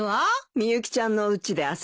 みゆきちゃんのうちで遊ぶって。